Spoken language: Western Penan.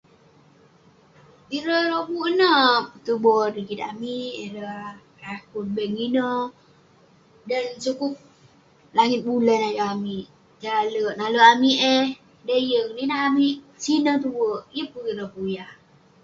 Ireh lobuk ineh tuboh rigit amik, ireh yah pun bank ineh. Dan sukup langit bulan ayuk amik tai alek, nalek amik eh. De yeng, ninak amik sineh tuek, yeng pun ireh puyah.